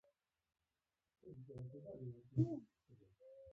د غریب مرسته د ایمان نښه ده.